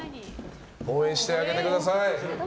応援してあげてください。